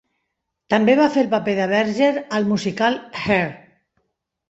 També va fer el paper de Berger al musical 'Hair'.